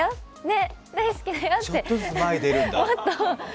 ちょっとずつ前へ出るんだ、ああ。